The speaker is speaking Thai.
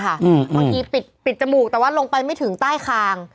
บางทีปิดจมูกแต่ว่าลงไปไม่ถึงใต้คาง